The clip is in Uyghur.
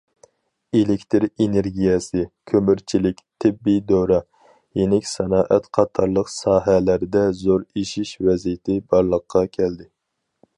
ئېلېكتىر ئېنېرگىيەسى، كۆمۈرچىلىك، تېببىي دورا، يېنىك سانائەت قاتارلىق ساھەلەردە زور ئېشىش ۋەزىيىتى بارلىققا كەلدى.